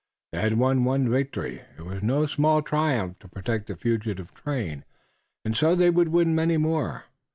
They had won one victory. It was no small triumph to protect the fugitive train, and so they would win many more.